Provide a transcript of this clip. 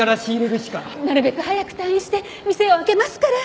なるべく早く退院して店を開けますから。